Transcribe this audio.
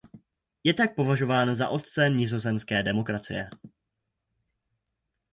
Je tak považován za otce nizozemské demokracie.